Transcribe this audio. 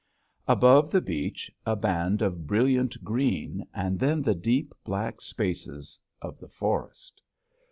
Above the beach a band of brilliant green and then the deep, black spaces of the forest.